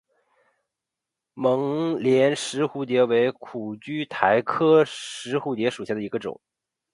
孟连石蝴蝶为苦苣苔科石蝴蝶属下的一个种。